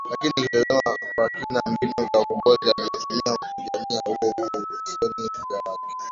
Lakini nikitazama kwa kina mbinu za ukombozi alizotumia kupigania huo uhuru sioni ushujaa wake